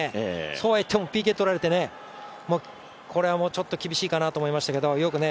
そうはいってもＰＫ取られてこれはちょっと厳しいかなと思いましたけどね